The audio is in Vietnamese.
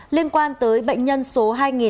liên quan tới bệnh nhân số hai nghìn hai trăm ba mươi bốn